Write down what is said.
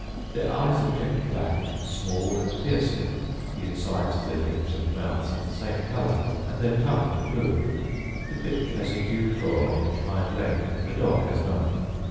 Their eyes are jet black, small, and piercing; the insides of their lips and mouths of the same colour, and their tongues blue. The bitch has a dew claw on each hind leg; the dog has none.